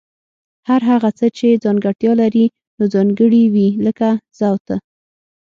هر هغه څه چي ځانګړتیا لري نو ځانګړي وي لکه زه او ته